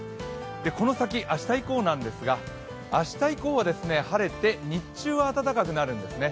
この先、明日以降なんですが明日以降は晴れて日中は暖かくなるんですね。